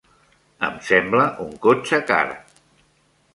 Em sembla un cotxe car.